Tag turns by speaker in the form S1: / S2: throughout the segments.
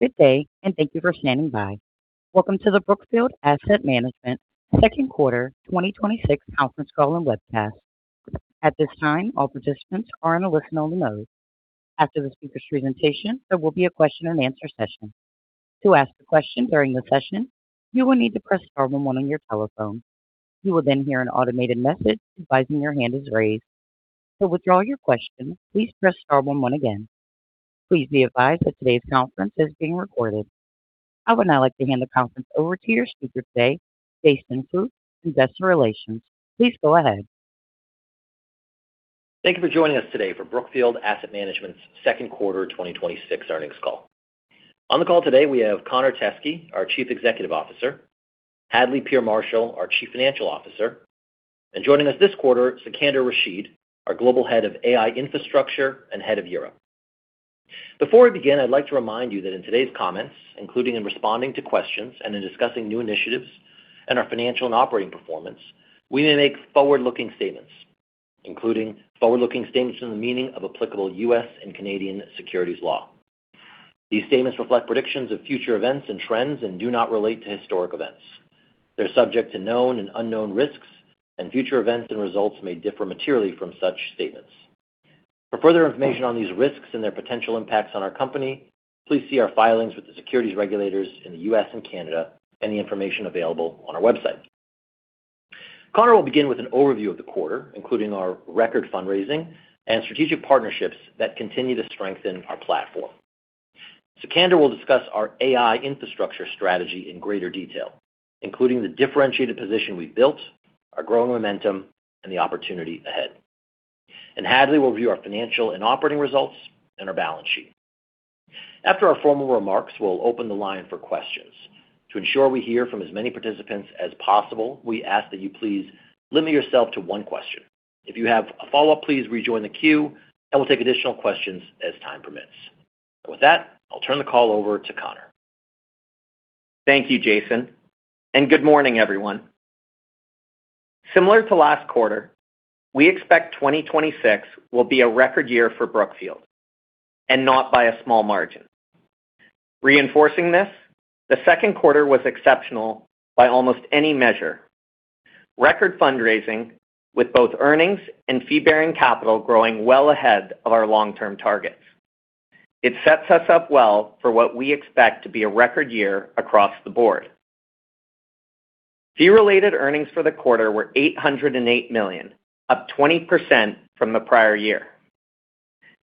S1: Good day. Thank you for standing by. Welcome to the Brookfield Asset Management second quarter 2026 conference call and webcast. At this time, all participants are in a listen-only mode. After the speakers' presentation, there will be a question and answer session. To ask a question during the session, you will need to press star one one on your telephone. You will then hear an automated message advising your hand is raised. To withdraw your question, please press star one one again. Please be advised that today's conference is being recorded. I would now like to hand the conference over to your speaker today, Jason Fooks, Investor Relations. Please go ahead.
S2: Thank you for joining us today for Brookfield Asset Management's second quarter 2026 earnings call. On the call today, we have Connor Teskey, our Chief Executive Officer, Hadley Peer Marshall, our Chief Financial Officer, and joining us this quarter, Sikander Rashid, our Global Head of AI Infrastructure and Head of Europe. Before we begin, I'd like to remind you that in today's comments, including in responding to questions and in discussing new initiatives and our financial and operating performance, we may make forward-looking statements, including forward-looking statements in the meaning of applicable U.S. and Canadian securities law. These statements reflect predictions of future events and trends and do not relate to historic events. They're subject to known and unknown risks. Future events and results may differ materially from such statements. For further information on these risks and their potential impacts on our company, please see our filings with the securities regulators in the U.S. and Canada, and the information available on our website. Connor will begin with an overview of the quarter, including our record fundraising and strategic partnerships that continue to strengthen our platform. Sikander will discuss our AI infrastructure strategy in greater detail, including the differentiated position we've built, our growing momentum, and the opportunity ahead. Hadley will review our financial and operating results and our balance sheet. After our formal remarks, we'll open the line for questions. To ensure we hear from as many participants as possible, we ask that you please limit yourself to one question. If you have a follow-up, please rejoin the queue, and we'll take additional questions as time permits. With that, I'll turn the call over to Connor.
S3: Thank you, Jason. Good morning, everyone. Similar to last quarter, we expect 2026 will be a record year for Brookfield, and not by a small margin. Reinforcing this, the second quarter was exceptional by almost any measure: record fundraising, with both earnings and fee-bearing capital growing well ahead of our long-term targets. It sets us up well for what we expect to be a record year across the board. Fee-related earnings for the quarter were $808 million, up 20% from the prior year.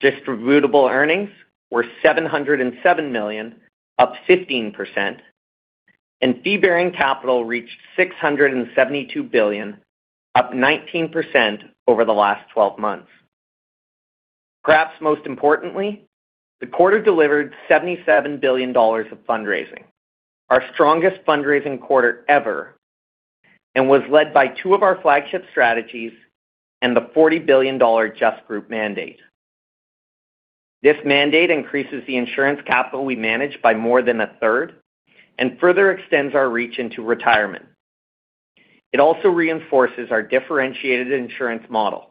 S3: Distributable earnings were $707 million, up 15%. Fee-bearing capital reached $672 billion, up 19% over the last 12 months. Perhaps most importantly, the quarter delivered $77 billion of fundraising, our strongest fundraising quarter ever, and was led by two of our flagship strategies and the $40 billion Just Group mandate. This mandate increases the insurance capital we manage by more than a third and further extends our reach into retirement. It also reinforces our differentiated insurance model.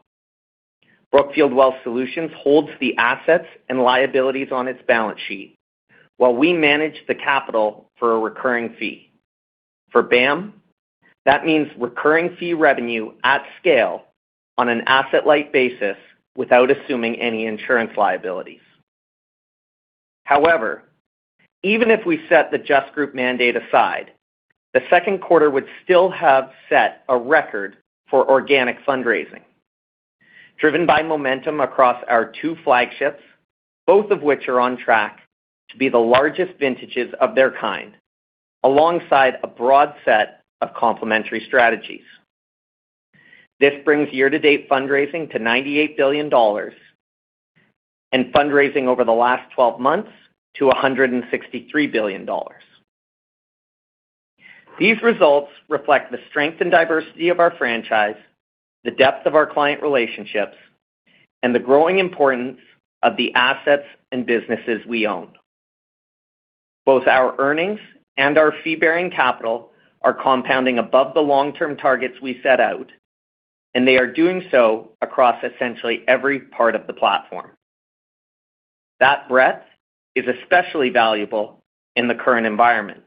S3: Brookfield Wealth Solutions holds the assets and liabilities on its balance sheet, while we manage the capital for a recurring fee. For BAM, that means recurring fee revenue at scale on an asset-light basis without assuming any insurance liabilities. Even if we set the Just Group mandate aside, the second quarter would still have set a record for organic fundraising. Driven by momentum across our two flagships, both of which are on track to be the largest vintages of their kind, alongside a broad set of complementary strategies. This brings year-to-date fundraising to $98 billion, and fundraising over the last 12 months to $163 billion. These results reflect the strength and diversity of our franchise, the depth of our client relationships, and the growing importance of the assets and businesses we own. Both our earnings and our fee-bearing capital are compounding above the long-term targets we set out, and they are doing so across essentially every part of the platform. That breadth is especially valuable in the current environment.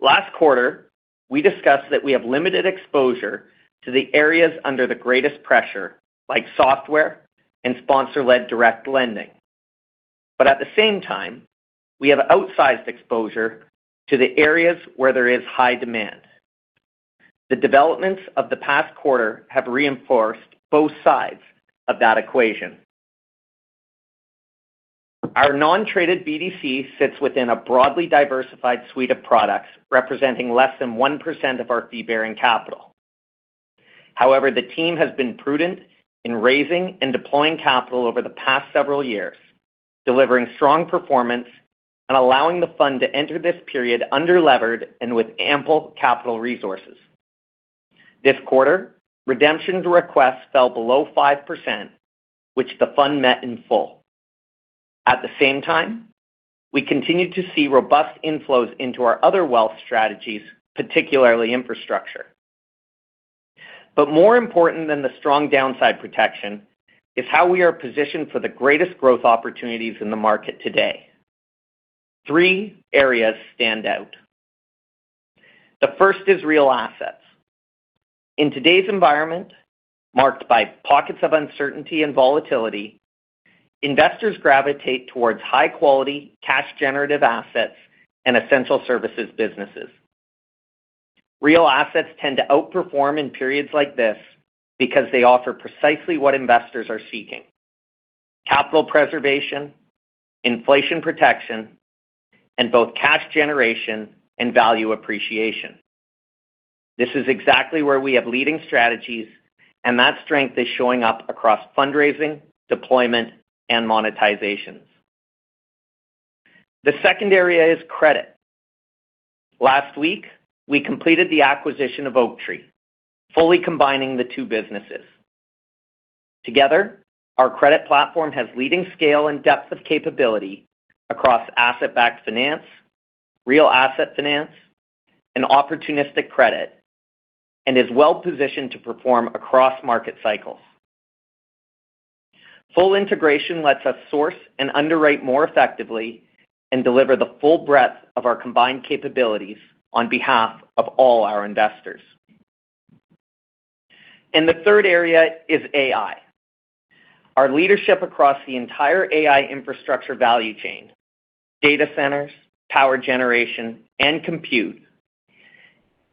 S3: Last quarter, we discussed that we have limited exposure to the areas under the greatest pressure, like software and sponsor-led direct lending. At the same time, we have outsized exposure to the areas where there is high demand. The developments of the past quarter have reinforced both sides of that equation. Our non-traded BDC sits within a broadly diversified suite of products, representing less than 1% of our fee-bearing capital. The team has been prudent in raising and deploying capital over the past several years, delivering strong performance and allowing the fund to enter this period under-levered and with ample capital resources. This quarter, redemptions requests fell below 5%, which the fund met in full. At the same time, we continued to see robust inflows into our other wealth strategies, particularly infrastructure. More important than the strong downside protection is how we are positioned for the greatest growth opportunities in the market today. Three areas stand out. The first is real assets. In today's environment, marked by pockets of uncertainty and volatility, investors gravitate towards high-quality, cash-generative assets and essential services businesses. Real assets tend to outperform in periods like this because they offer precisely what investors are seeking: capital preservation, inflation protection, and both cash generation and value appreciation. This is exactly where we have leading strategies, that strength is showing up across fundraising, deployment, and monetization. The second area is credit. Last week, we completed the acquisition of Oaktree, fully combining the two businesses. Together, our credit platform has leading scale and depth of capability across asset-backed finance, real asset finance, and opportunistic credit, and is well-positioned to perform across market cycles. Full integration lets us source and underwrite more effectively and deliver the full breadth of our combined capabilities on behalf of all our investors. The third area is AI. Our leadership across the entire AI infrastructure value chain, data centers, power generation, and compute,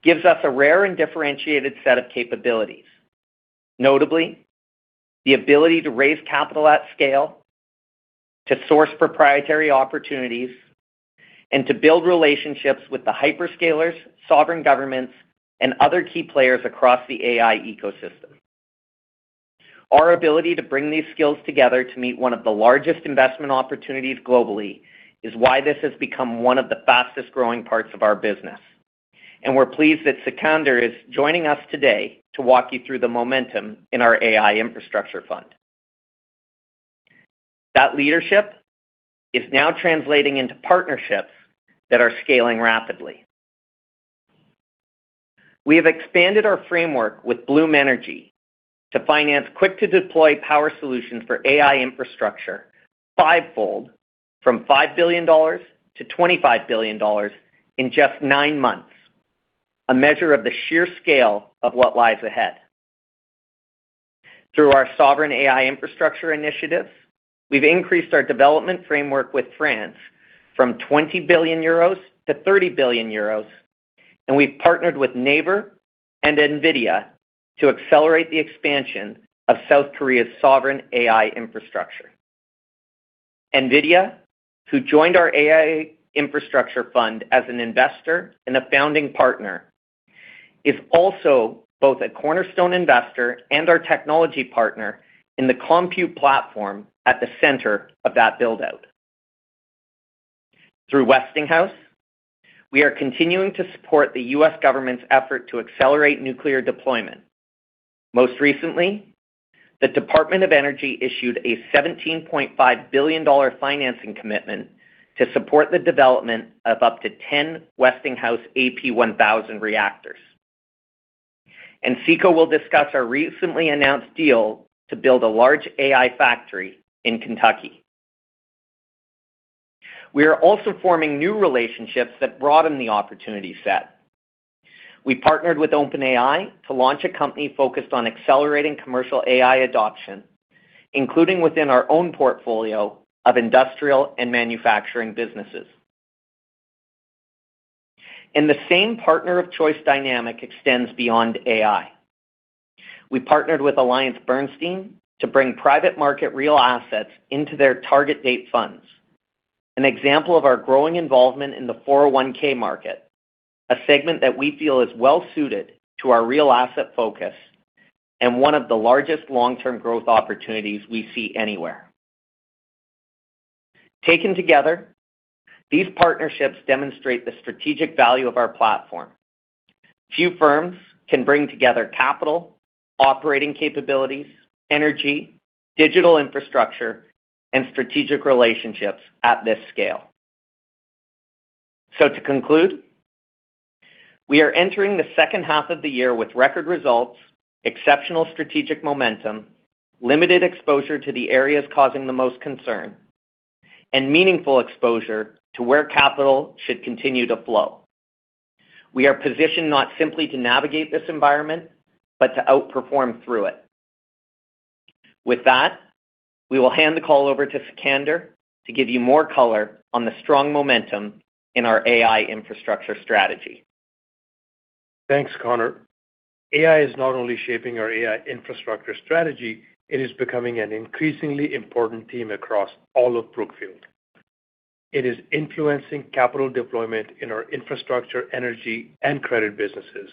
S3: gives us a rare and differentiated set of capabilities. Notably, the ability to raise capital at scale, to source proprietary opportunities, and to build relationships with the hyperscalers, sovereign governments, and other key players across the AI ecosystem. Our ability to bring these skills together to meet one of the largest investment opportunities globally is why this has become one of the fastest-growing parts of our business. We're pleased that Sikander is joining us today to walk you through the momentum in our AI infrastructure fund. That leadership is now translating into partnerships that are scaling rapidly. We have expanded our framework with Bloom Energy to finance quick-to-deploy power solutions for AI infrastructure fivefold, from $5 billion-$25 billion in just nine months, a measure of the sheer scale of what lies ahead. Through our Sovereign AI Infrastructure initiative, we've increased our development framework with France from 20 billion-30 billion euros. We've partnered with Naver and NVIDIA to accelerate the expansion of South Korea's sovereign AI infrastructure. NVIDIA, who joined our AI infrastructure fund as an investor and a founding partner, is also both a cornerstone investor and our technology partner in the compute platform at the center of that build-out. Through Westinghouse, we are continuing to support the U.S. government's effort to accelerate nuclear deployment. Most recently, the Department of Energy issued a $17.5 billion financing commitment to support the development of up to 10 Westinghouse AP1000 reactors. Sika will discuss our recently announced deal to build a large AI factory in Kentucky. We are also forming new relationships that broaden the opportunity set. We partnered with OpenAI to launch a company focused on accelerating commercial AI adoption, including within our own portfolio of industrial and manufacturing businesses. The same partner of choice dynamic extends beyond AI. We partnered with AllianceBernstein to bring private market real assets into their target date funds, an example of our growing involvement in the 401 market, a segment that we feel is well suited to our real asset focus and one of the largest long-term growth opportunities we see anywhere. Taken together, these partnerships demonstrate the strategic value of our platform. Few firms can bring together capital, operating capabilities, energy, digital infrastructure, and strategic relationships at this scale. To conclude, we are entering the second half of the year with record results, exceptional strategic momentum, limited exposure to the areas causing the most concern, and meaningful exposure to where capital should continue to flow. We are positioned not simply to navigate this environment, but to outperform through it. With that, we will hand the call over to Sikander to give you more color on the strong momentum in our AI infrastructure strategy.
S4: Thanks, Connor. AI is not only shaping our AI infrastructure strategy, it is becoming an increasingly important theme across all of Brookfield. It is influencing capital deployment in our infrastructure, energy, and credit businesses,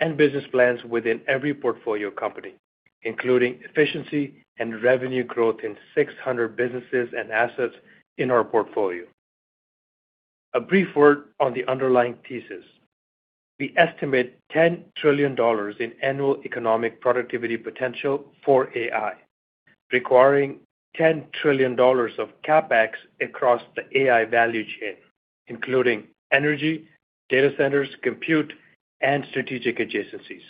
S4: and business plans within every portfolio company, including efficiency and revenue growth in 600 businesses and assets in our portfolio. A brief word on the underlying thesis. We estimate $10 trillion in annual economic productivity potential for AI requiring $10 trillion of CapEx across the AI value chain, including energy, data centers, compute, and strategic adjacencies.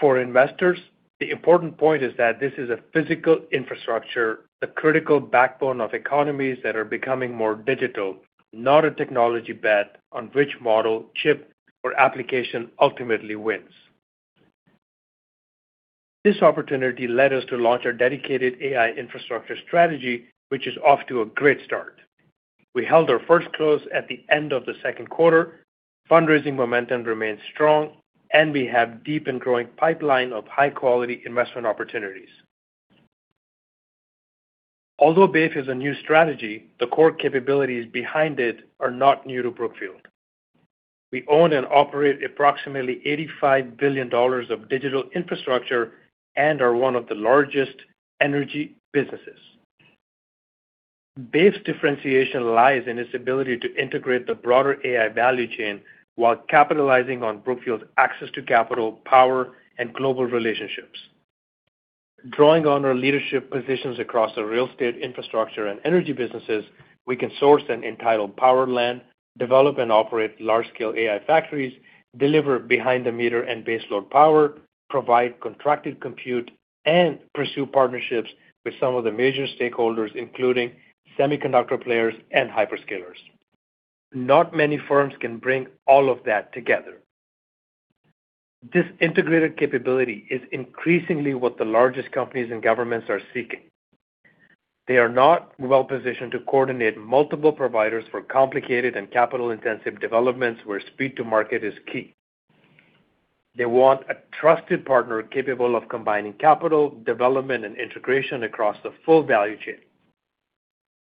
S4: For investors, the important point is that this is a physical infrastructure, the critical backbone of economies that are becoming more digital, not a technology bet on which model, chip, or application ultimately wins. This opportunity led us to launch our dedicated AI infrastructure strategy, which is off to a great start. We held our first close at the end of the second quarter. Fundraising momentum remains strong, we have deep and growing pipeline of high-quality investment opportunities. Although BAIIF is a new strategy, the core capabilities behind it are not new to Brookfield. We own and operate approximately $85 billion of digital infrastructure and are one of the largest energy businesses. BAIIF's differentiation lies in its ability to integrate the broader AI value chain while capitalizing on Brookfield's access to capital, power, and global relationships. Drawing on our leadership positions across the real estate, infrastructure, and energy businesses, we can source and entitle power land, develop and operate large-scale AI factories, deliver behind the meter and baseload power, provide contracted compute, and pursue partnerships with some of the major stakeholders, including semiconductor players and hyperscalers. Not many firms can bring all of that together. This integrated capability is increasingly what the largest companies and governments are seeking. They are not well-positioned to coordinate multiple providers for complicated and capital-intensive developments where speed to market is key. They want a trusted partner capable of combining capital, development, and integration across the full value chain.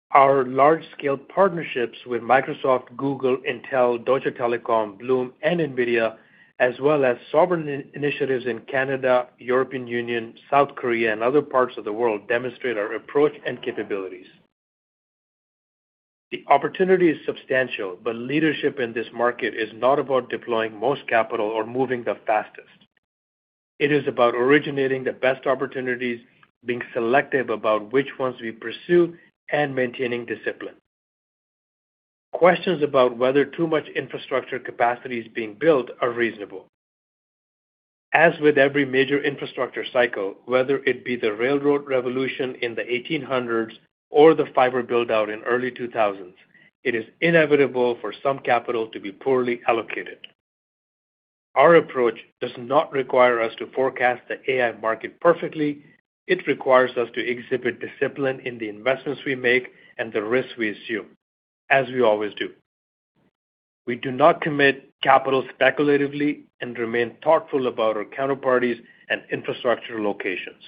S4: Our large-scale partnerships with Microsoft, Google, Intel, Deutsche Telekom, Bloom, and NVIDIA, as well as sovereign initiatives in Canada, European Union, South Korea, and other parts of the world, demonstrate our approach and capabilities. The opportunity is substantial, leadership in this market is not about deploying the most capital or moving the fastest. It is about originating the best opportunities, being selective about which ones we pursue, and maintaining discipline. Questions about whether too much infrastructure capacity is being built are reasonable. As with every major infrastructure cycle, whether it be the railroad revolution in the 1800s or the fiber build-out in early 2000s, it is inevitable for some capital to be poorly allocated. Our approach does not require us to forecast the AI market perfectly. It requires us to exhibit discipline in the investments we make and the risks we assume, as we always do. We do not commit capital speculatively and remain thoughtful about our counterparties and infrastructure locations.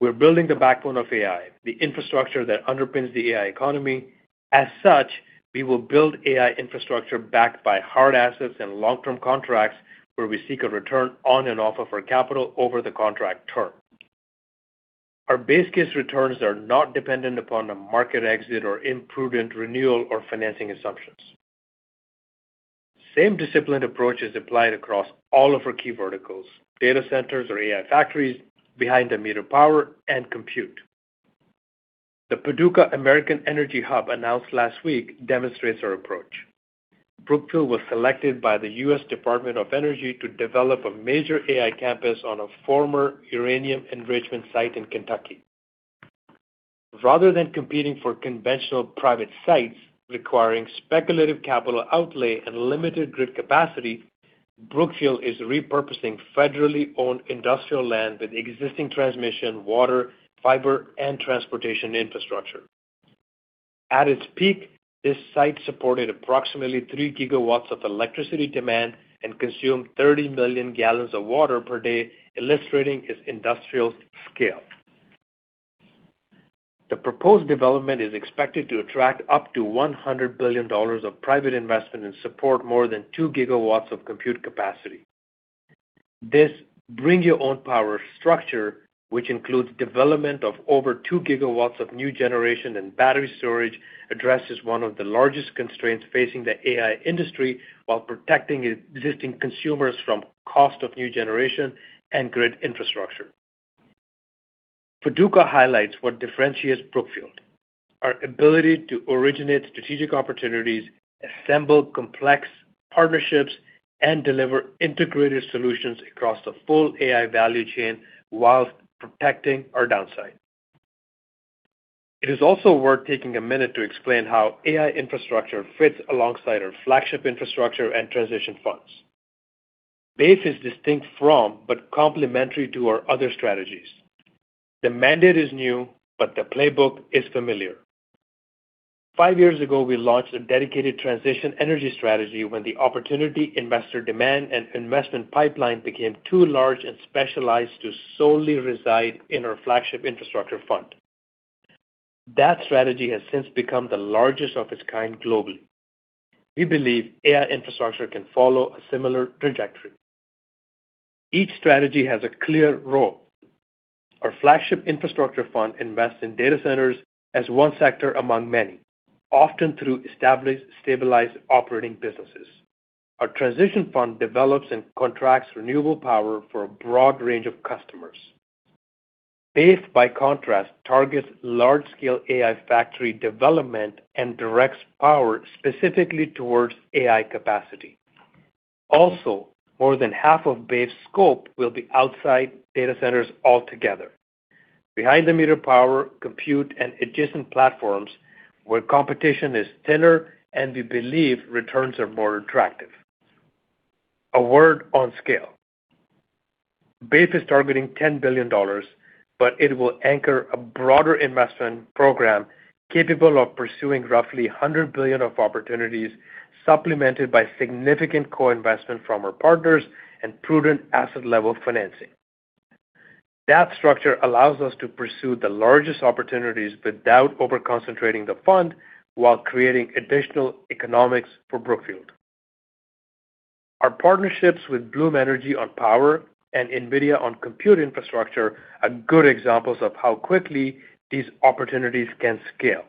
S4: We're building the backbone of AI, the infrastructure that underpins the AI economy. As such, we will build AI infrastructure backed by hard assets and long-term contracts where we seek a return on and off of our capital over the contract term. Our base case returns are not dependent upon a market exit or imprudent renewal or financing assumptions. Same disciplined approach is applied across all of our key verticals, data centers or AI factories, behind the meter power, and compute. The Paducah American Energy Hub announced last week demonstrates our approach. Brookfield was selected by the U.S. Department of Energy to develop a major AI campus on a former uranium enrichment site in Kentucky. Rather than competing for conventional private sites requiring speculative capital outlay and limited grid capacity, Brookfield is repurposing federally owned industrial land with existing transmission, water, fiber, and transportation infrastructure. At its peak, this site supported approximately three gigawatts of electricity demand and consumed 30 million gallons of water per day, illustrating its industrial scale. The proposed development is expected to attract up to $100 billion of private investment and support more than two gigawatts of compute capacity. This bring your own power structure, which includes development of over two gigawatts of new generation and battery storage, addresses one of the largest constraints facing the AI industry while protecting existing consumers from cost of new generation and grid infrastructure. Paducah highlights what differentiates Brookfield, our ability to originate strategic opportunities, assemble complex partnerships, and deliver integrated solutions across the full AI value chain whilst protecting our downside. It is also worth taking a minute to explain how AI infrastructure fits alongside our flagship infrastructure and transition funds. BAIIF is distinct from, but complementary to our other strategies. The mandate is new, but the playbook is familiar. Five years ago, we launched a dedicated transition energy strategy when the opportunity, investor demand, and investment pipeline became too large and specialized to solely reside in our flagship infrastructure fund. That strategy has since become the largest of its kind globally. We believe AI infrastructure can follow a similar trajectory. Each strategy has a clear role. Our flagship infrastructure fund invests in data centers as one sector among many, often through established, stabilized operating businesses. Our transition fund develops and contracts renewable power for a broad range of customers. BAIIF, by contrast, targets large-scale AI factory development and directs power specifically towards AI capacity. Also, more than half of BAIIF's scope will be outside data centers altogether. Behind the meter power, compute, and adjacent platforms where competition is thinner and we believe returns are more attractive. A word on scale. BAIIF is targeting $10 billion, but it will anchor a broader investment program capable of pursuing roughly $100 billion of opportunities, supplemented by significant co-investment from our partners and prudent asset level financing. That structure allows us to pursue the largest opportunities without over-concentrating the fund while creating additional economics for Brookfield. Our partnerships with Bloom Energy on power and NVIDIA on compute infrastructure are good examples of how quickly these opportunities can scale.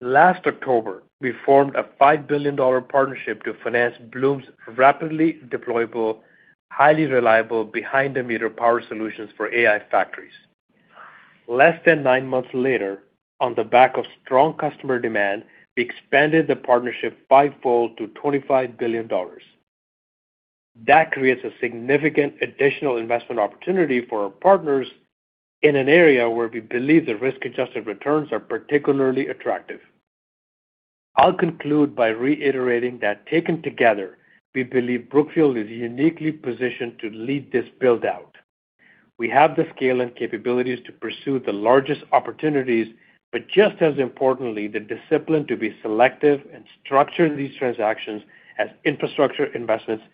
S4: Last October, we formed a $5 billion partnership to finance Bloom's rapidly deployable, highly reliable behind the meter power solutions for AI factories. Less than nine months later, on the back of strong customer demand, we expanded the partnership fivefold to $25 billion. That creates a significant additional investment opportunity for our partners in an area where we believe the risk-adjusted returns are particularly attractive. I'll conclude by reiterating that taken together, we believe Brookfield is uniquely positioned to lead this build-out. We have the scale and capabilities to pursue the largest opportunities, but just as importantly, the discipline to be selective and structure these transactions as infrastructure investments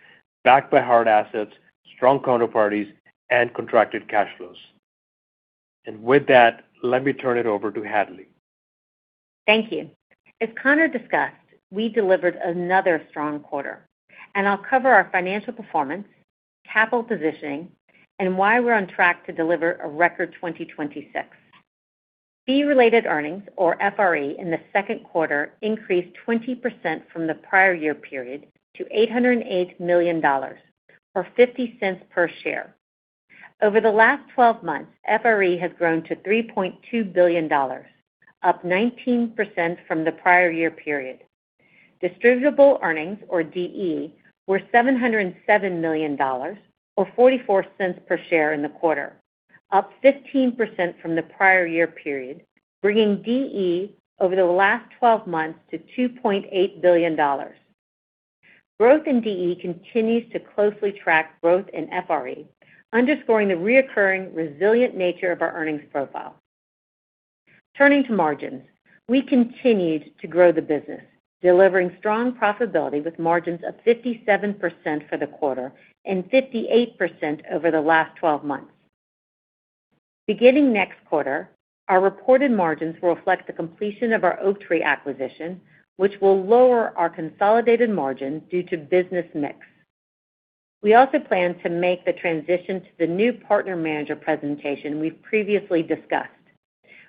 S4: backed by hard assets, strong counterparties, and contracted cash flows. With that, let me turn it over to Hadley.
S5: Thank you. As Connor discussed, we delivered another strong quarter. I'll cover our financial performance, capital positioning, and why we're on track to deliver a record 2026. Fee-related earnings, or FRE, in the second quarter increased 20% from the prior year period to $808 million, or $0.50 per share. Over the last 12 months, FRE has grown to $3.2 billion, up 19% from the prior year period. Distributable earnings, or DE, were $707 million, or $0.44 per share in the quarter, up 15% from the prior year period, bringing DE over the last 12 months to $2.8 billion. Growth in DE continues to closely track growth in FRE, underscoring the reoccurring resilient nature of our earnings profile. Turning to margins. We continued to grow the business, delivering strong profitability with margins of 57% for the quarter and 58% over the last 12 months. Beginning next quarter, our reported margins will reflect the completion of our Oaktree acquisition, which will lower our consolidated margin due to business mix. We also plan to make the transition to the new partner manager presentation we've previously discussed.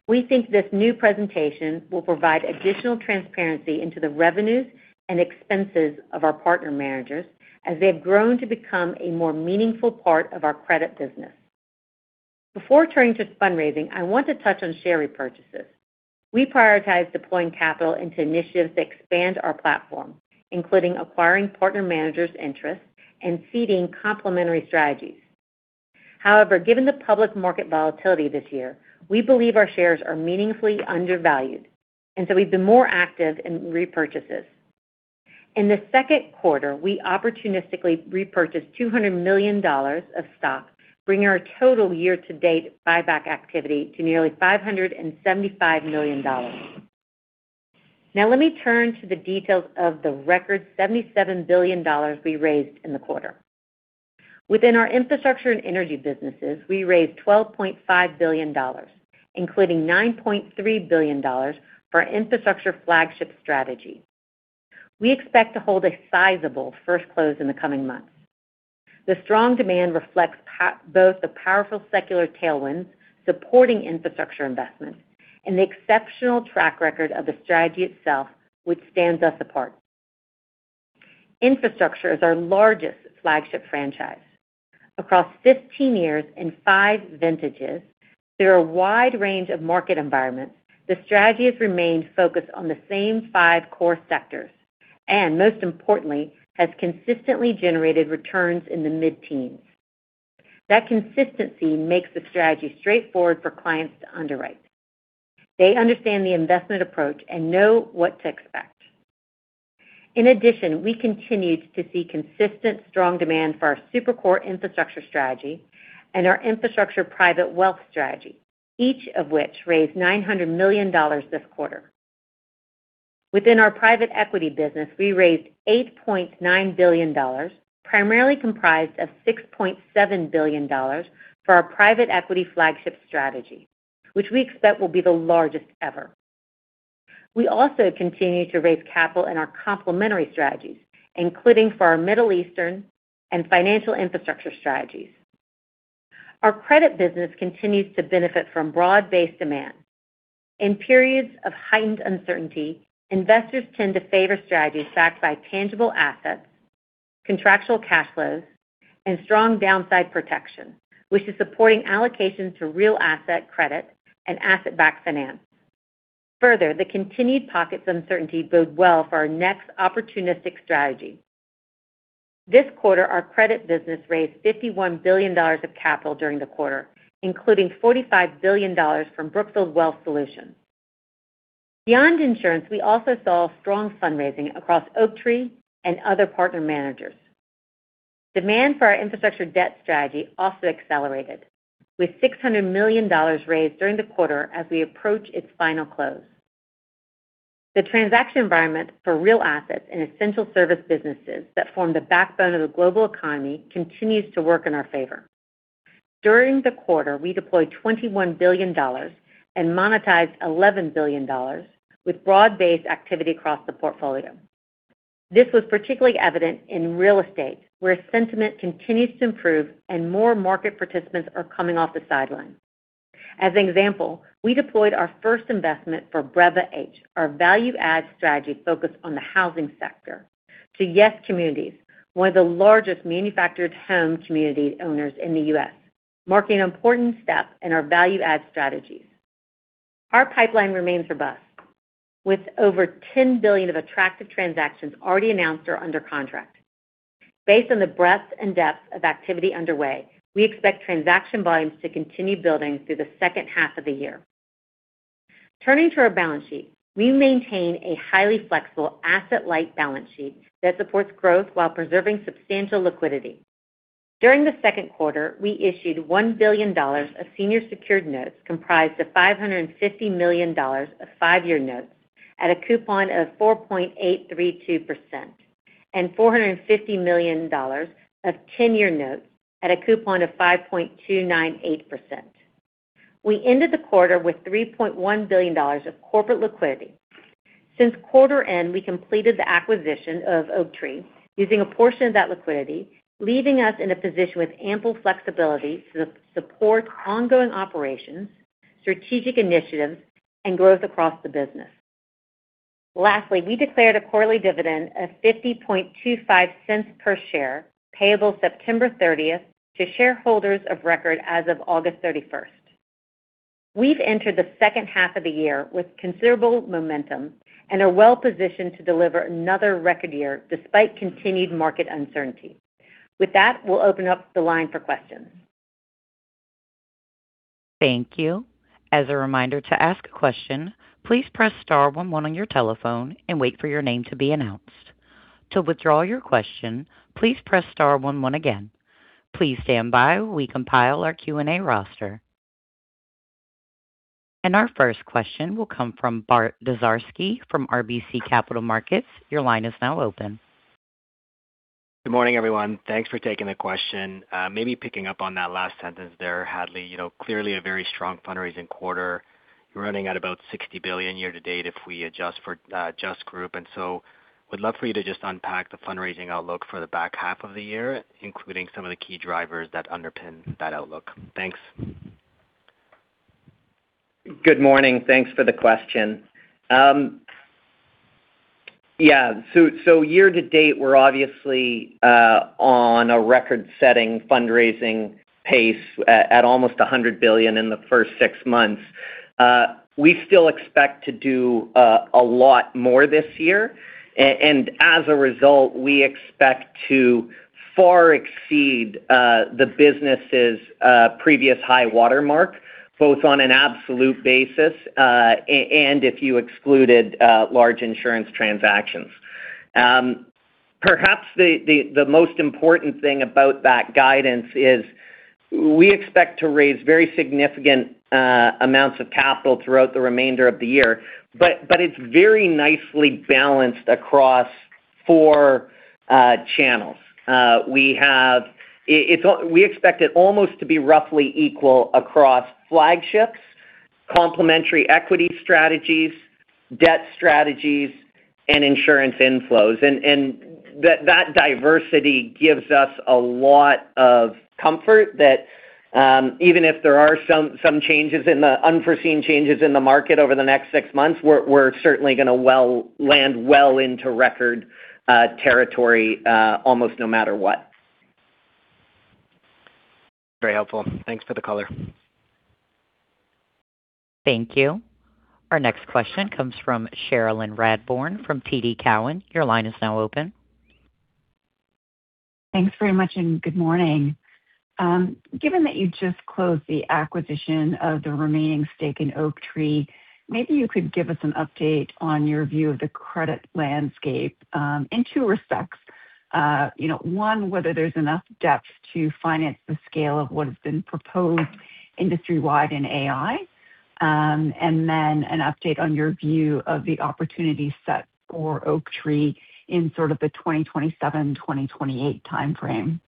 S5: We think this new presentation will provide additional transparency into the revenues and expenses of our partner managers, as they've grown to become a more meaningful part of our credit business. Before turning to fundraising, I want to touch on share repurchases. We prioritize deploying capital into initiatives that expand our platform, including acquiring partner managers' interests and seeding complementary strategies. However, given the public market volatility this year, we believe our shares are meaningfully undervalued, and so we've been more active in repurchases. In the second quarter, we opportunistically repurchased $200 million of stock, bringing our total year-to-date buyback activity to nearly $575 million. Now let me turn to the details of the record $77 billion we raised in the quarter. Within our infrastructure and energy businesses, we raised $12.5 billion, including $9.3 billion for our infrastructure flagship strategy. We expect to hold a sizable first close in the coming months. The strong demand reflects both the powerful secular tailwinds supporting infrastructure investments and the exceptional track record of the strategy itself, which stands us apart. Infrastructure is our largest flagship franchise. Across 15 years and five vintages, through a wide range of market environments, the strategy has remained focused on the same five core sectors, and most importantly, has consistently generated returns in the mid-teens. That consistency makes the strategy straightforward for clients to underwrite. They understand the investment approach and know what to expect. In addition, we continued to see consistent strong demand for our super core infrastructure strategy and our infrastructure private wealth strategy, each of which raised $900 million this quarter. Within our private equity business, we raised $8.9 billion, primarily comprised of $6.7 billion for our private equity flagship strategy, which we expect will be the largest ever. We also continue to raise capital in our complementary strategies, including for our Middle Eastern and financial infrastructure strategies. Our credit business continues to benefit from broad-based demand. In periods of heightened uncertainty, investors tend to favor strategies backed by tangible assets, contractual cash flows, and strong downside protection, which is supporting allocations to real asset credit and asset-backed finance. The continued pockets of uncertainty bode well for our next opportunistic strategy. This quarter, our credit business raised $51 billion of capital during the quarter, including $45 billion from Brookfield Wealth Solutions. Beyond insurance, we also saw strong fundraising across Oaktree and other partner managers. Demand for our infrastructure debt strategy also accelerated, with $600 million raised during the quarter as we approach its final close. The transaction environment for real assets and essential service businesses that form the backbone of the global economy continues to work in our favor. During the quarter, we deployed $21 billion and monetized $11 billion with broad-based activity across the portfolio. This was particularly evident in real estate, where sentiment continues to improve and more market participants are coming off the sidelines. As an example, we deployed our first investment for BREV-AH, our value-add strategy focused on the housing sector, to YES! Communities, one of the largest manufactured home community owners in the U.S., marking an important step in our value-add strategies. Our pipeline remains robust, with over $10 billion of attractive transactions already announced or under contract. Based on the breadth and depth of activity underway, we expect transaction volumes to continue building through the second half of the year. Turning to our balance sheet, we maintain a highly flexible asset-light balance sheet that supports growth while preserving substantial liquidity. During the second quarter, we issued $1 billion of senior secured notes, comprised of $550 million of five-year notes at a coupon of 4.832% and $450 million of 10-year notes at a coupon of 5.298%. We ended the quarter with $3.1 billion of corporate liquidity. Since quarter end, we completed the acquisition of Oaktree using a portion of that liquidity, leaving us in a position with ample flexibility to support ongoing operations, strategic initiatives, and growth across the business. Lastly, we declared a quarterly dividend of $0.5025 per share, payable September 30th to shareholders of record as of August 31st. We've entered the second half of the year with considerable momentum and are well-positioned to deliver another record year despite continued market uncertainty. With that, we'll open up the line for questions.
S1: Thank you. As a reminder, to ask a question, please press *11 on your telephone and wait for your name to be announced. To withdraw your question, please press *11 again. Please stand by while we compile our Q&A roster. Our first question will come from Bart Dziarski from RBC Capital Markets. Your line is now open.
S6: Good morning, everyone. Thanks for taking the question. Maybe picking up on that last sentence there, Hadley. Clearly a very strong fundraising quarter. You're running at about $60 billion year to date if we adjust for JustGroup, would love for you to just unpack the fundraising outlook for the back half of the year, including some of the key drivers that underpin that outlook. Thanks.
S3: Good morning. Thanks for the question. Yeah. Year to date, we're obviously on a record-setting fundraising pace at almost $100 billion in the first six months. We still expect to do a lot more this year, as a result, we expect to far exceed the business' previous high watermark, both on an absolute basis and if you excluded large insurance transactions. Perhaps the most important thing about that guidance is we expect to raise very significant amounts of capital throughout the remainder of the year, it's very nicely balanced across four channels. We expect it almost to be roughly equal across flagships, complementary equity strategies, debt strategies, and insurance inflows. That diversity gives us a lot of comfort that even if there are some unforeseen changes in the market over the next six months, we're certainly going to land well into record territory almost no matter what.
S6: Very helpful. Thanks for the color.
S1: Thank you. Our next question comes from Cherilyn Radbourne from TD Cowen. Your line is now open.
S7: Thanks very much, and good morning. Given that you just closed the acquisition of the remaining stake in Oaktree, maybe you could give us an update on your view of the credit landscape in two respects. One, whether there's enough depth to finance the scale of what has been proposed industry-wide in AI, and then an update on your view of the opportunity set for Oaktree in sort of the 2027, 2028 timeframe.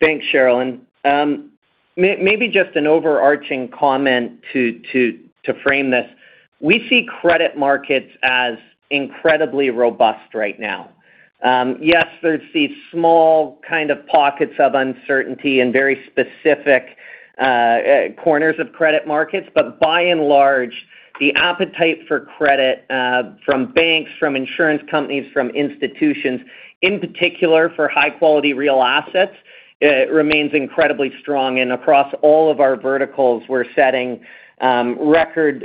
S3: Thanks, Cherilyn. Maybe just an overarching comment to frame this. We see credit markets as incredibly robust right now. Yes, there's these small kind of pockets of uncertainty in very specific corners of credit markets, but by and large, the appetite for credit from banks, from insurance companies, from institutions, in particular for high-quality real assets, remains incredibly strong. Across all of our verticals, we're setting record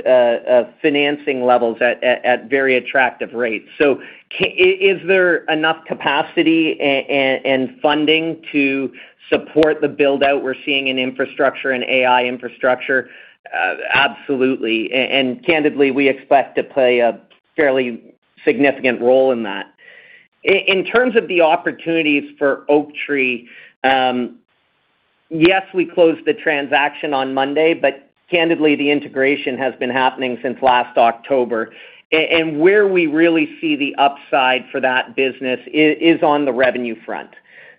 S3: financing levels at very attractive rates. Is there enough capacity and funding to support the build-out we're seeing in infrastructure and AI infrastructure? Absolutely. Candidly, we expect to play a fairly significant role in that. In terms of the opportunities for Oaktree, yes, we closed the transaction on Monday, but candidly, the integration has been happening since last October. Where we really see the upside for that business is on the revenue front.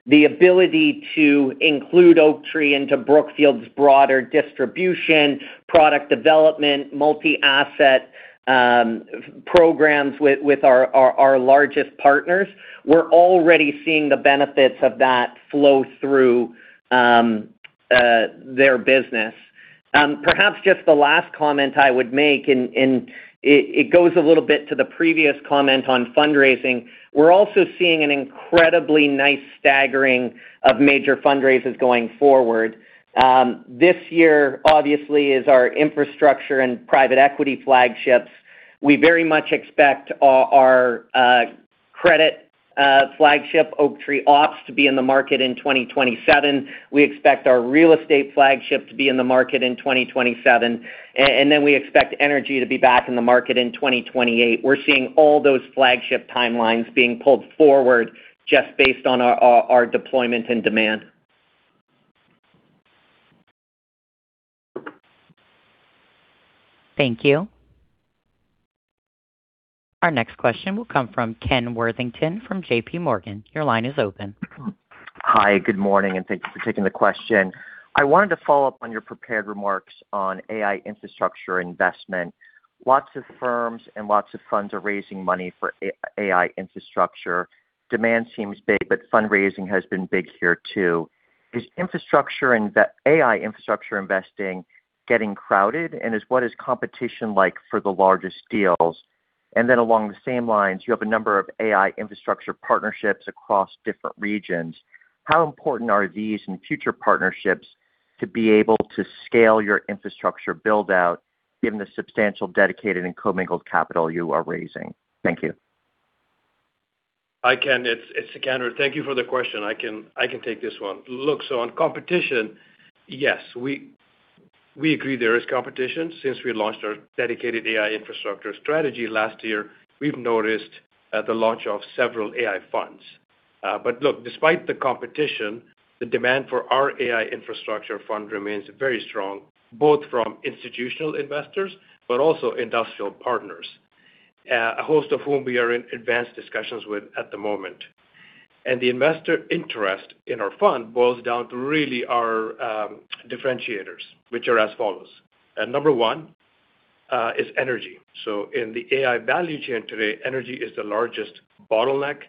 S3: The ability to include Oaktree into Brookfield's broader distribution, product development, multi-asset programs with our largest partners. We're already seeing the benefits of that flow through their business. Perhaps just the last comment I would make, and it goes a little bit to the previous comment on fundraising. We're also seeing an incredibly nice staggering of major fundraisers going forward. This year, obviously, is our infrastructure and private equity flagships. We very much expect our credit flagship, Oaktree Opps, to be in the market in 2027. We expect our real estate flagship to be in the market in 2027. We expect energy to be back in the market in 2028. We're seeing all those flagship timelines being pulled forward just based on our deployment and demand.
S1: Thank you. Our next question will come from Ken Worthington from JPMorgan. Your line is open.
S8: Hi, good morning, and thank you for taking the question. I wanted to follow up on your prepared remarks on AI infrastructure investment. Lots of firms and lots of funds are raising money for AI infrastructure. Demand seems big, fundraising has been big here too. Is AI infrastructure investing getting crowded, what is competition like for the largest deals? Along the same lines, you have a number of AI infrastructure partnerships across different regions. How important are these and future partnerships to be able to scale your infrastructure build-out given the substantial dedicated and commingled capital you are raising? Thank you.
S4: Hi, Ken. It's Sikander. Thank you for the question. I can take this one. Look, on competition, yes, we agree there is competition since we launched our dedicated AI infrastructure strategy last year. We've noticed the launch of several AI funds. Look, despite the competition, the demand for our AI infrastructure fund remains very strong, both from institutional investors but also industrial partners, a host of whom we are in advanced discussions with at the moment. The investor interest in our fund boils down to really our differentiators, which are as follows. Number one is energy. In the AI value chain today, energy is the largest bottleneck.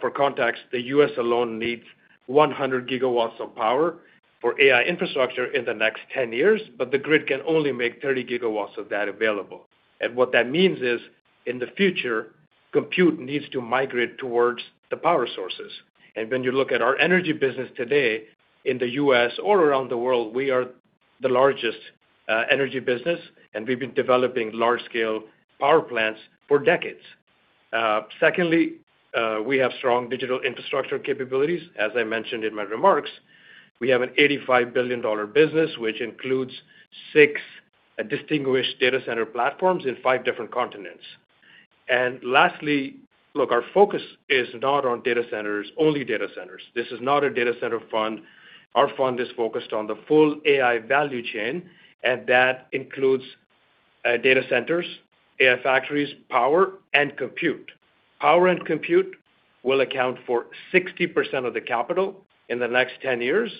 S4: For context, the U.S. alone needs 100 gigawatts of power for AI infrastructure in the next 10 years, but the grid can only make 30 gigawatts of that available. What that means is, in the future, compute needs to migrate towards the power sources. When you look at our energy business today in the U.S. or around the world, we are the largest energy business, and we've been developing large-scale power plants for decades. Secondly, we have strong digital infrastructure capabilities. As I mentioned in my remarks, we have an $85 billion business, which includes six distinguished data center platforms in five different continents. Lastly, look, our focus is not on data centers, only data centers. This is not a data center fund. Our fund is focused on the full AI value chain, and that includes data centers, AI factories, power, and compute. Power and compute will account for 60% of the capital in the next 10 years,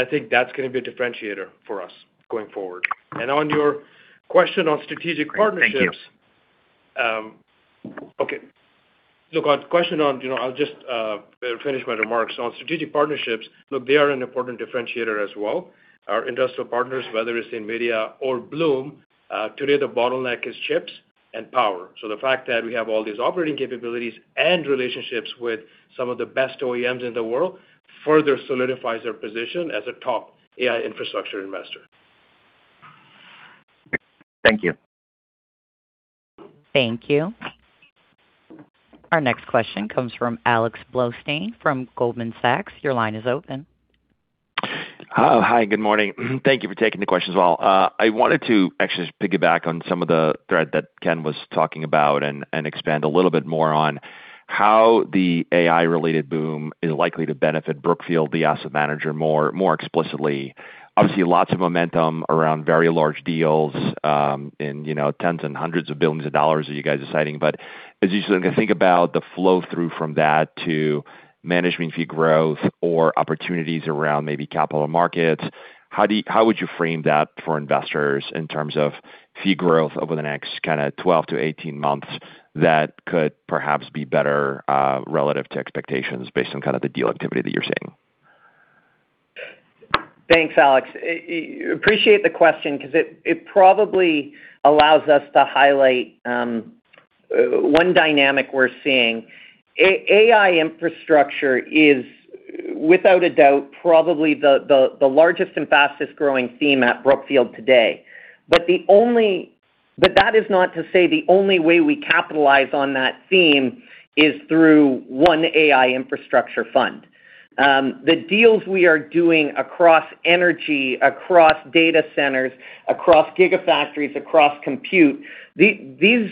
S4: I think that's going to be a differentiator for us going forward. On your question on strategic partnerships.
S8: Thank you.
S4: Okay. Look, I'll just finish my remarks. On strategic partnerships, look, they are an important differentiator as well. Our industrial partners, whether it's NVIDIA or Bloom, today the bottleneck is chips and power. The fact that we have all these operating capabilities and relationships with some of the best OEMs in the world further solidifies our position as a top AI infrastructure investor.
S8: Thank you.
S1: Thank you. Our next question comes from Alex Blostein from Goldman Sachs. Your line is open.
S9: Hi, good morning. Thank you for taking the question as well. I wanted to actually just piggyback on some of the thread that Ken was talking about and expand a little bit more on how the AI related boom is likely to benefit Brookfield, the asset manager, more explicitly. Obviously, lots of momentum around very large deals in tens and hundreds of billions of dollars that you guys are citing. As you think about the flow through from that to management fee growth or opportunities around maybe capital markets, how would you frame that for investors in terms of fee growth over the next kind of 12-18 months that could perhaps be better, relative to expectations based on kind of the deal activity that you're seeing?
S3: Thanks, Alex. Appreciate the question because it probably allows us to highlight one dynamic we're seeing. AI infrastructure is, without a doubt, probably the largest and fastest-growing theme at Brookfield today. That is not to say the only way we capitalize on that theme is through one AI infrastructure fund. The deals we are doing across energy, across data centers, across giga-factories, across compute, these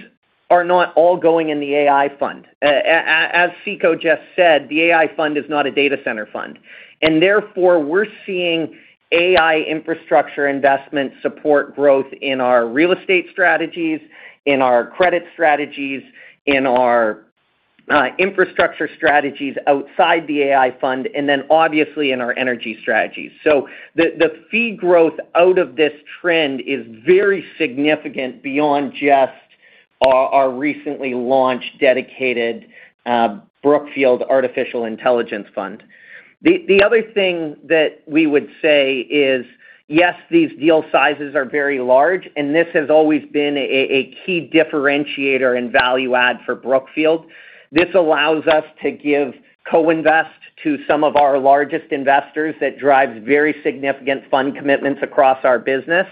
S3: are not all going in the AI fund. As Sika just said, the AI fund is not a data center fund, and therefore, we're seeing AI infrastructure investment support growth in our real estate strategies, in our credit strategies, in our infrastructure strategies outside the AI fund, and then obviously in our energy strategies. The fee growth out of this trend is very significant beyond just our recently launched dedicated Brookfield Artificial Intelligence Fund. The other thing that we would say is, yes, these deal sizes are very large, and this has always been a key differentiator and value add for Brookfield. This allows us to give co-invest to some of our largest investors that drives very significant fund commitments across our business.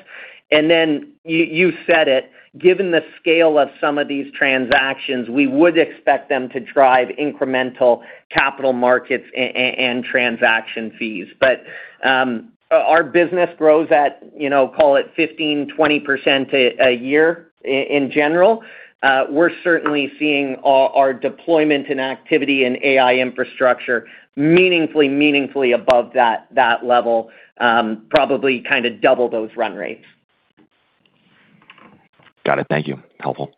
S3: You said it, given the scale of some of these transactions, we would expect them to drive incremental capital markets and transaction fees. Our business grows at call it 15%-20% a year in general. We're certainly seeing our deployment and activity in AI infrastructure meaningfully above that level, probably kind of double those run rates.
S9: Got it. Thank you. Helpful.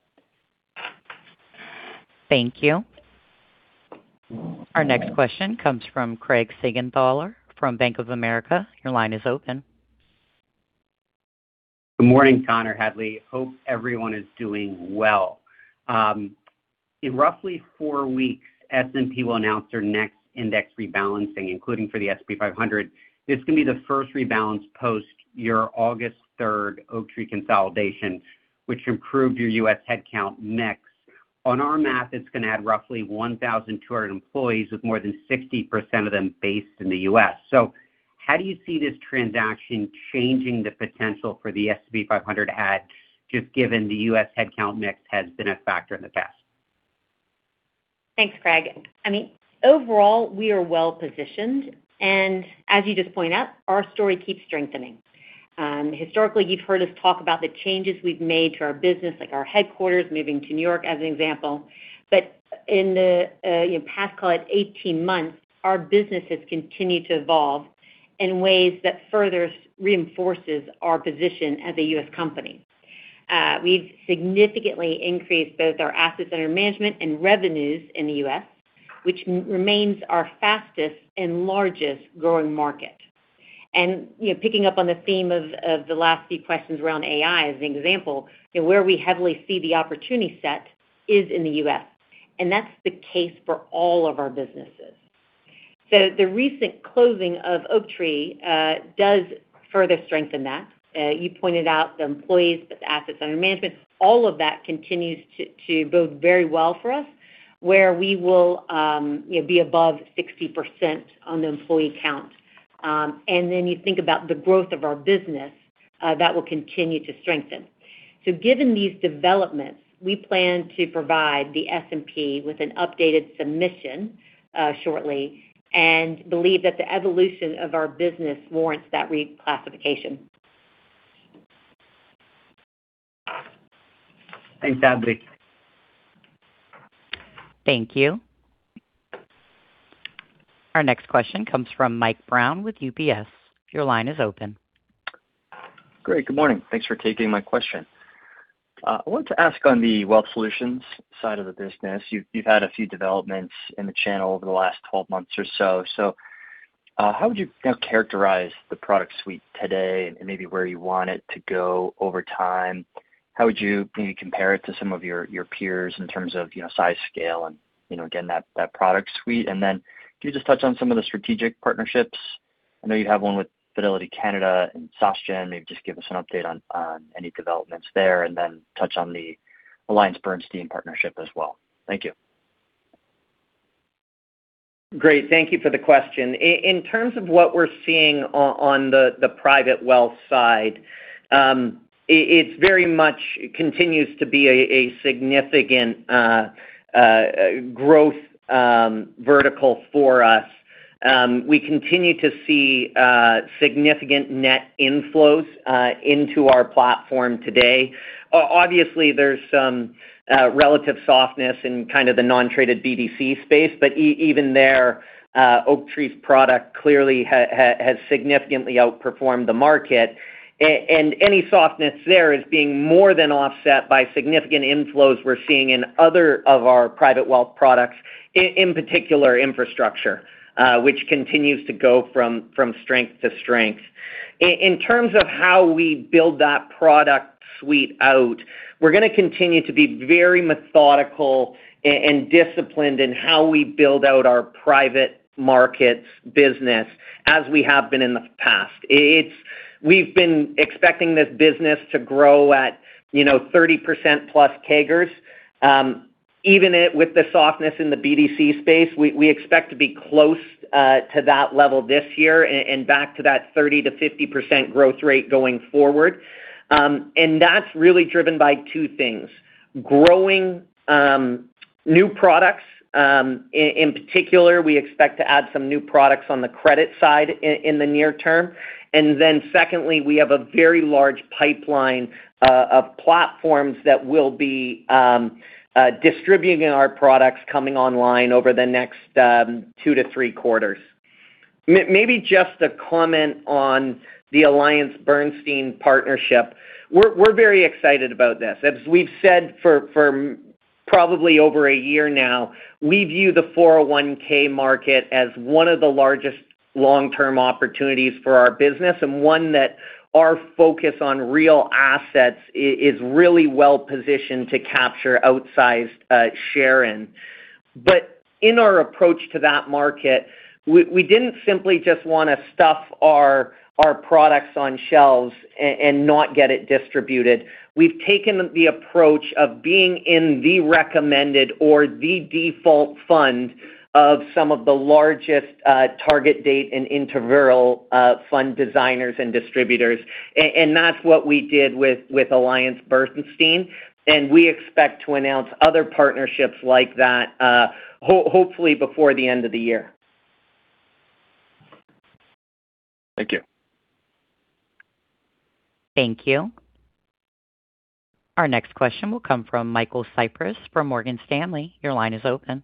S1: Thank you. Our next question comes from Craig Siegenthaler from Bank of America. Your line is open.
S10: Good morning, Connor, Hadley. Hope everyone is doing well. In roughly four weeks, S&P will announce their next index rebalancing, including for the S&P 500. This is going to be the first rebalance post your August 3rd Oaktree consolidation, which improved your U.S. headcount mix. On our math, it's going to add roughly 1,200 employees, with more than 60% of them based in the U.S. How do you see this transaction changing the potential for the S&P 500 add, just given the U.S. headcount mix has been a factor in the past?
S5: Thanks, Craig. I mean, overall, we are well-positioned. As you just point out, our story keeps strengthening. Historically, you've heard us talk about the changes we've made to our business, like our headquarters moving to New York, as an example. In the past, call it 18 months, our business has continued to evolve in ways that further reinforces our position as a U.S. company. We've significantly increased both our assets under management and revenues in the U.S., which remains our fastest and largest growing market. Picking up on the theme of the last few questions around AI, as an example, where we heavily see the opportunity set is in the U.S., and that's the case for all of our businesses. The recent closing of Oaktree does further strengthen that. You pointed out the employees. The assets under management, all of that continues to bode very well for us, where we will be above 60% on the employee count. You think about the growth of our business, that will continue to strengthen. Given these developments, we plan to provide the S&P with an updated submission shortly and believe that the evolution of our business warrants that reclassification.
S10: Thanks, Hadley.
S1: Thank you. Our next question comes from Mike Brown with KBW. Your line is open.
S11: Great. Good morning. Thanks for taking my question. How would you characterize the product suite today and maybe where you want it to go over time? How would you maybe compare it to some of your peers in terms of size, scale, and again, that product suite? Then can you just touch on some of the strategic partnerships? I know you have one with Fidelity Canada and SocGen. Maybe just give us an update on any developments there, and then touch on the AllianceBernstein partnership as well. Thank you.
S3: Great. Thank you for the question. In terms of what we're seeing on the private wealth side, it very much continues to be a significant growth vertical for us. We continue to see significant net inflows into our platform today. Obviously, there's some relative softness in kind of the non-traded BDC space, but even there, Oaktree's product clearly has significantly outperformed the market. Any softness there is being more than offset by significant inflows we're seeing in other of our private wealth products, in particular infrastructure, which continues to go from strength to strength. In terms of how we build that product suite out, we're going to continue to be very methodical and disciplined in how we build out our private markets business as we have been in the past. We've been expecting this business to grow at 30% plus CAGRs. Even with the softness in the BDC space, we expect to be close to that level this year and back to that 30%-50% growth rate going forward. That's really driven by two things. Growing new products. In particular, we expect to add some new products on the credit side in the near term. Secondly, we have a very large pipeline of platforms that will be distributing our products coming online over the next two to three quarters. Maybe just a comment on the AllianceBernstein partnership. We're very excited about this. As we've said for probably over a year now, we view the 401 market as one of the largest long-term opportunities for our business. One that our focus on real assets is really well-positioned to capture outsized share in. In our approach to that market, we didn't simply just want to stuff our products on shelves and not get it distributed. We've taken the approach of being in the recommended or the default fund of some of the largest target date and interval fund designers and distributors. That's what we did with AllianceBernstein. We expect to announce other partnerships like that hopefully before the end of the year.
S11: Thank you.
S1: Thank you. Our next question will come from Michael Cyprys from Morgan Stanley. Your line is open.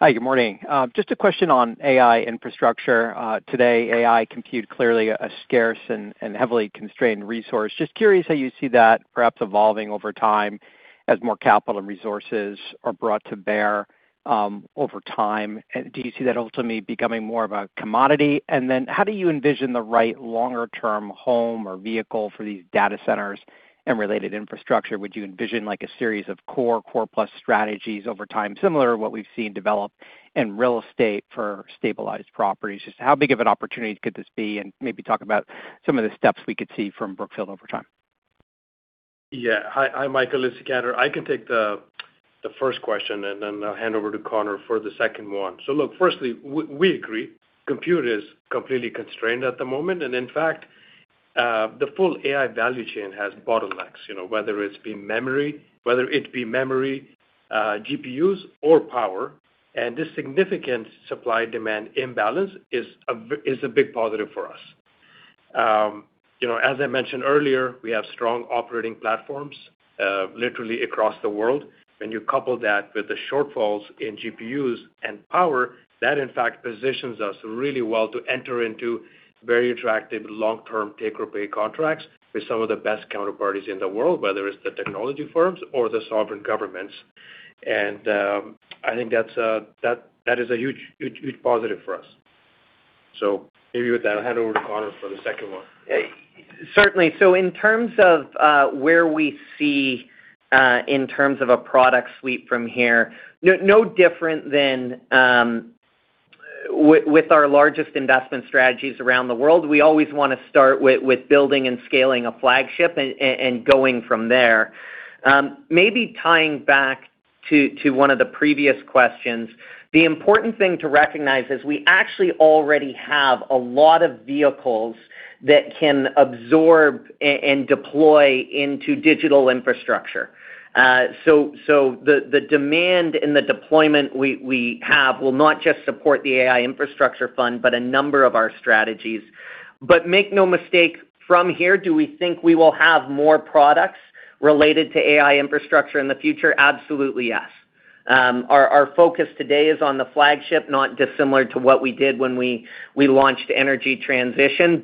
S12: Hi, good morning. Just a question on AI infrastructure. Today, AI compute clearly a scarce and heavily constrained resource. Just curious how you see that perhaps evolving over time as more capital and resources are brought to bear over time. Do you see that ultimately becoming more of a commodity? Then how do you envision the right longer-term home or vehicle for these data centers and related infrastructure? Would you envision like a series of core plus strategies over time, similar to what we've seen develop in real estate for stabilized properties? Just how big of an opportunity could this be, and maybe talk about some of the steps we could see from Brookfield over time.
S4: Hi, Michael. It's Sikander. I can take the first question. Then I'll hand over to Connor for the second one. Look, firstly, we agree. Compute is completely constrained at the moment. In fact, the full AI value chain has bottlenecks, whether it be memory, GPUs, or power. This significant supply-demand imbalance is a big positive for us. As I mentioned earlier, we have strong operating platforms literally across the world. When you couple that with the shortfalls in GPUs and power, that in fact positions us really well to enter into very attractive long-term take-or-pay contracts with some of the best counterparties in the world, whether it's the technology firms or the sovereign governments. I think that is a huge positive for us. Maybe with that, I'll hand over to Connor for the second one.
S3: Certainly. In terms of where we see in terms of a product suite from here, no different than with our largest investment strategies around the world. We always want to start with building and scaling a flagship and going from there. Maybe tying back to one of the previous questions. The important thing to recognize is we actually already have a lot of vehicles that can absorb and deploy into digital infrastructure. The demand and the deployment we have will not just support the AI infrastructure fund, but a number of our strategies. Make no mistake, from here, do we think we will have more products related to AI infrastructure in the future? Absolutely yes. Our focus today is on the flagship, not dissimilar to what we did when we launched energy transition.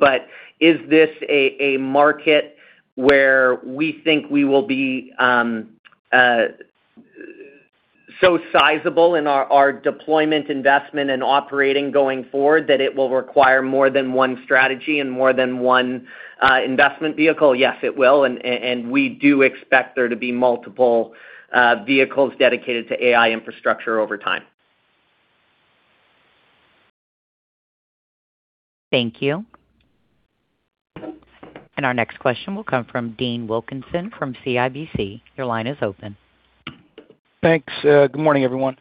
S3: Is this a market where we think we will be so sizable in our deployment investment and operating going forward that it will require more than one strategy and more than one investment vehicle? Yes, it will. We do expect there to be multiple vehicles dedicated to AI infrastructure over time.
S1: Thank you. Our next question will come from Dean Wilkinson from CIBC. Your line is open.
S13: Thanks. Good morning, everyone.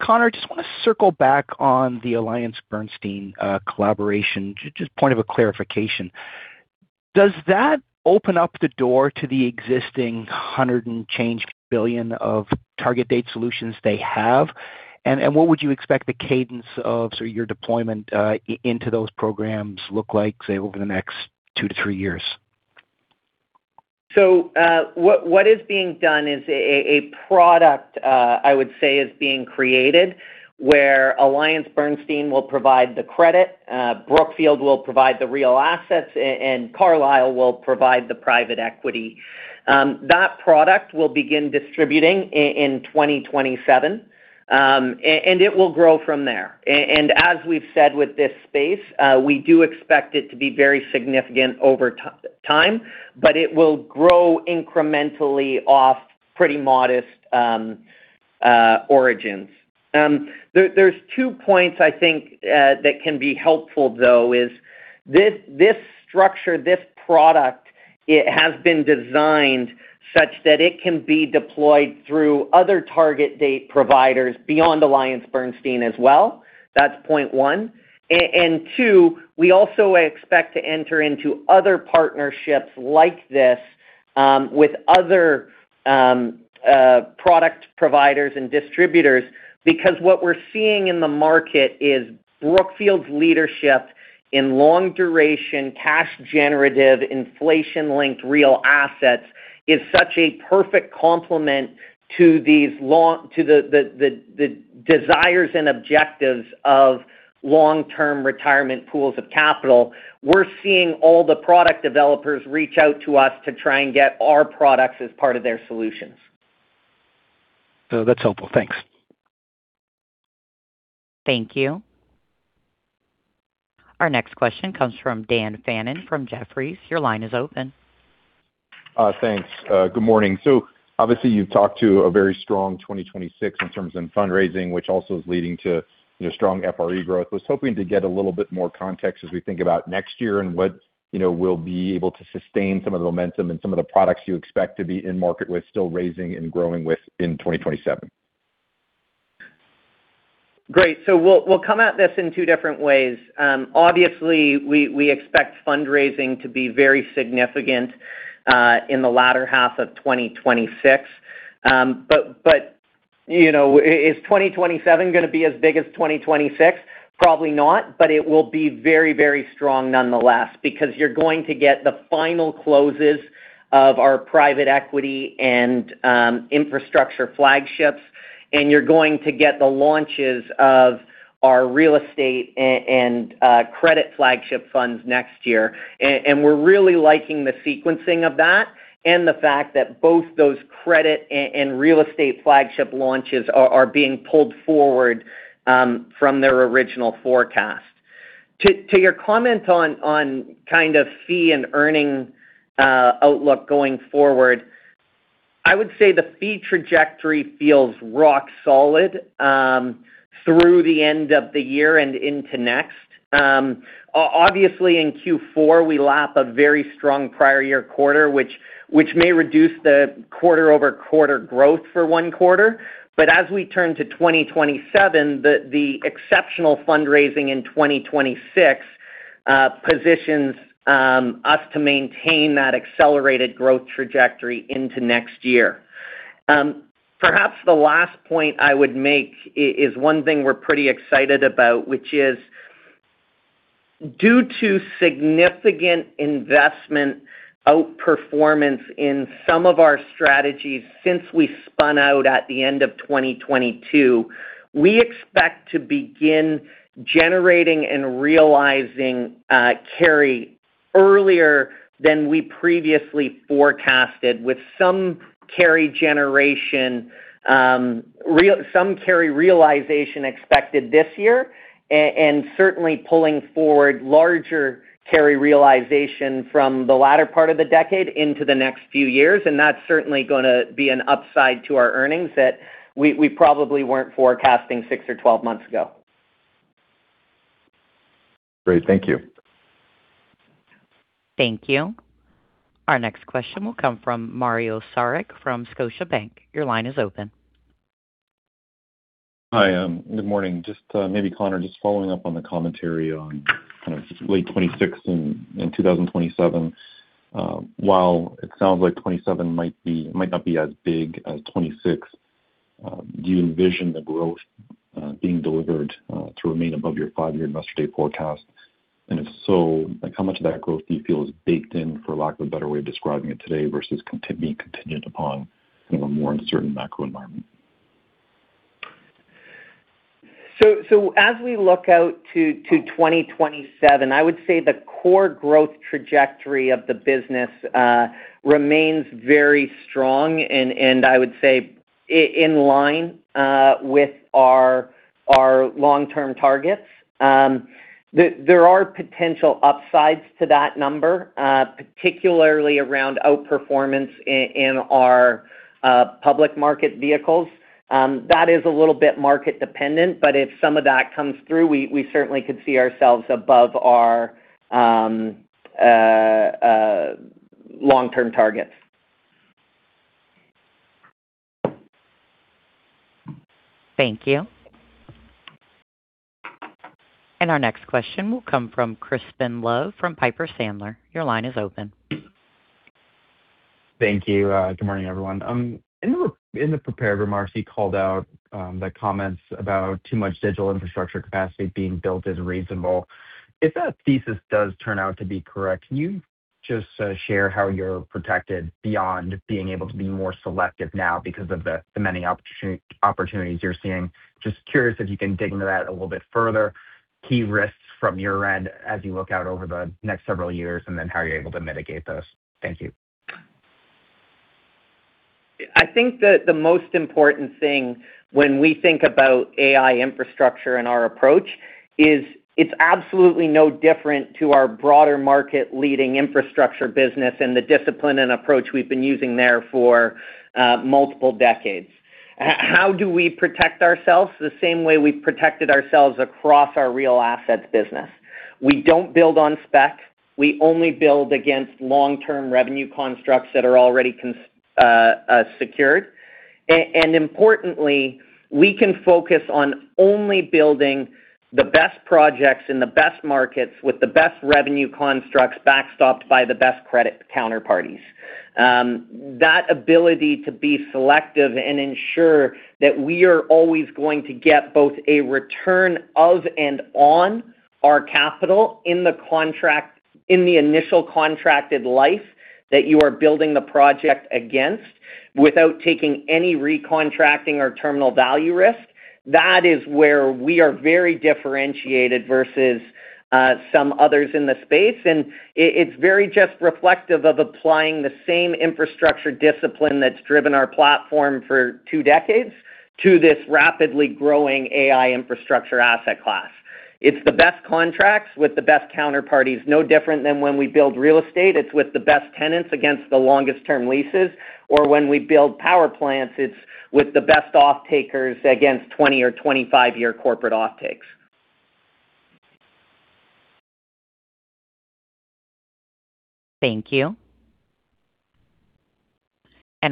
S13: Connor, just want to circle back on the AllianceBernstein collaboration. Just point of a clarification. Does that open up the door to the existing 100 and change billion of target date solutions they have? What would you expect the cadence of your deployment into those programs look like, say, over the next two to three years?
S3: What is being done is a product, I would say, is being created where AllianceBernstein will provide the credit, Brookfield will provide the real assets, Carlyle will provide the private equity. That product will begin distributing in 2027, and it will grow from there. As we've said with this space, we do expect it to be very significant over time, but it will grow incrementally off pretty modest origins. There's two points I think that can be helpful though, is this structure, this product, it has been designed such that it can be deployed through other target date providers beyond AllianceBernstein as well. That's point one. Two, we also expect to enter into other partnerships like this, with other product providers and distributors, because what we're seeing in the market is Brookfield's leadership in long duration, cash generative, inflation-linked real assets is such a perfect complement to the desires and objectives of long-term retirement pools of capital. We're seeing all the product developers reach out to us to try and get our products as part of their solutions.
S13: That's helpful. Thanks.
S1: Thank you. Our next question comes from Dan Fannon from Jefferies. Your line is open.
S14: Thanks. Good morning. Obviously you've talked to a very strong 2026 in terms of fundraising, which also is leading to strong FRE growth. Was hoping to get a little bit more context as we think about next year and what we'll be able to sustain some of the momentum and some of the products you expect to be in market with still raising and growing with in 2027.
S3: Great. We'll come at this in two different ways. Obviously, we expect fundraising to be very significant, in the latter half of 2026. Is 2027 going to be as big as 2026? Probably not, but it will be very strong nonetheless, because you're going to get the final closes of our private equity and infrastructure flagships, and you're going to get the launches of our real estate and credit flagship funds next year. We're really liking the sequencing of that, and the fact that both those credit and real estate flagship launches are being pulled forward from their original forecast. To your comment on fee and earning outlook going forward, I would say the fee trajectory feels rock solid through the end of the year and into next. Obviously, in Q4, we lap a very strong prior year quarter, which may reduce the quarter-over-quarter growth for one quarter. As we turn to 2027, the exceptional fundraising in 2026 positions us to maintain that accelerated growth trajectory into next year. Perhaps the last point I would make is one thing we're pretty excited about, which is due to significant investment outperformance in some of our strategies since we spun out at the end of 2022, we expect to begin generating and realizing carry earlier than we previously forecasted, with some carry realization expected this year. Certainly pulling forward larger carry realization from the latter part of the decade into the next few years, and that's certainly going to be an upside to our earnings that we probably weren't forecasting six or 12 months ago.
S14: Great. Thank you.
S1: Thank you. Our next question will come from Mario Saric from Scotiabank. Your line is open.
S15: Hi. Good morning. Just maybe Connor, just following up on the commentary on kind of late 2026 and 2027. While it sounds like 2027 might not be as big as 2026, do you envision the growth being delivered to remain above your five-year investor day forecast? And if so, how much of that growth do you feel is baked in, for lack of a better way of describing it today, versus being continued upon in a more uncertain macro environment?
S3: As we look out to 2027, I would say the core growth trajectory of the business remains very strong, and I would say in line with our long-term targets. There are potential upsides to that number, particularly around outperformance in our public market vehicles. That is a little bit market dependent, but if some of that comes through, we certainly could see ourselves above our long-term targets.
S1: Thank you. Our next question will come from Crispin Love from Piper Sandler. Your line is open.
S16: Thank you. Good morning, everyone. In the prepared remarks, you called out the comments about too much digital infrastructure capacity being built as reasonable. If that thesis does turn out to be correct, can you just share how you're protected beyond being able to be more selective now because of the many opportunities you're seeing? Just curious if you can dig into that a little bit further, key risks from your end as you look out over the next several years, and then how you're able to mitigate those. Thank you.
S3: I think that the most important thing when we think about AI infrastructure and our approach is it's absolutely no different to our broader market-leading infrastructure business and the discipline and approach we've been using there for multiple decades. How do we protect ourselves? The same way we've protected ourselves across our real assets business. We don't build on spec. We only build against long-term revenue constructs that are already secured. Importantly, we can focus on only building the best projects in the best markets with the best revenue constructs backstopped by the best credit counterparties. That ability to be selective and ensure that we are always going to get both a return of and on our capital in the initial contracted life that you are building the project against without taking any re-contracting or terminal value risk. That is where we are very differentiated versus some others in the space. It's very just reflective of applying the same infrastructure discipline that's driven our platform for two decades to this rapidly growing AI infrastructure asset class. It's the best contracts with the best counterparties. No different than when we build real estate. It's with the best tenants against the longest-term leases, or when we build power plants, it's with the best off-takers against 20- or 25-year corporate off-takes.
S1: Thank you.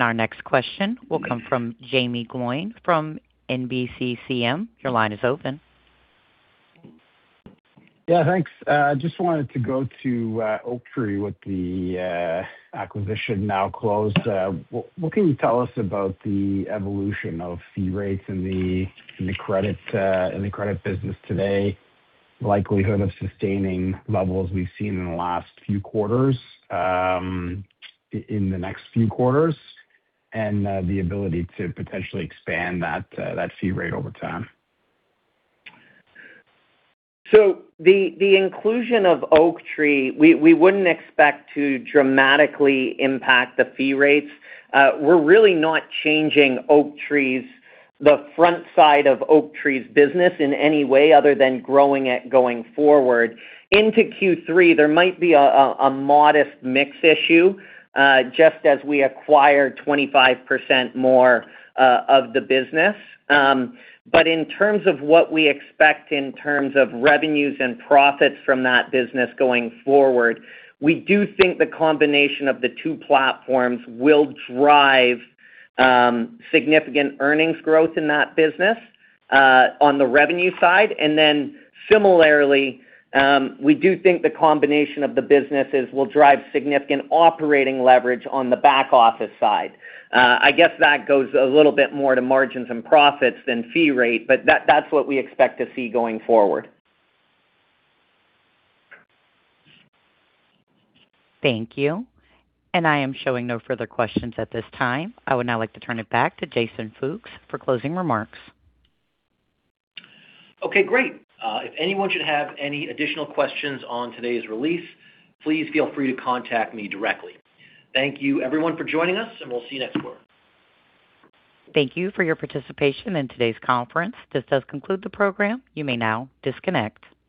S1: Our next question will come from Jaeme Gloyn from NBCCM. Your line is open.
S17: Yeah, thanks. I just wanted to go to Oaktree with the acquisition now closed. What can you tell us about the evolution of fee rates in the credit business today, likelihood of sustaining levels we've seen in the last few quarters in the next few quarters, and the ability to potentially expand that fee rate over time?
S3: The inclusion of Oaktree, we wouldn't expect to dramatically impact the fee rates. We're really not changing the front side of Oaktree's business in any way other than growing it going forward. Into Q3, there might be a modest mix issue just as we acquire 25% more of the business. In terms of what we expect in terms of revenues and profits from that business going forward, we do think the combination of the two platforms will drive significant earnings growth in that business on the revenue side. Similarly, we do think the combination of the businesses will drive significant operating leverage on the back office side. I guess that goes a little bit more to margins and profits than fee rate, that's what we expect to see going forward.
S1: Thank you. I am showing no further questions at this time. I would now like to turn it back to Jason Fooks for closing remarks.
S2: Okay, great. If anyone should have any additional questions on today's release, please feel free to contact me directly. Thank you, everyone, for joining us, and we'll see you next quarter.
S1: Thank you for your participation in today's conference. This does conclude the program. You may now disconnect.